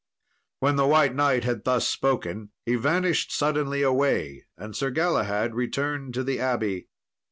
'" When the White Knight had thus spoken he vanished suddenly away, and Sir Galahad returned to the abbey.